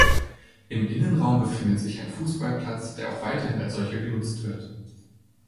Im Innenraum befindet sich ein Fußballplatz, der auch weiterhin als solcher genutzt wird.